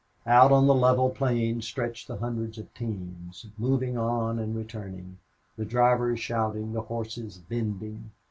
Out on the level plain stretched the hundreds of teams, moving on and returning, the drivers shouting, the horses bending.